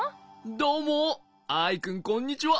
どうもアイくんこんにちは。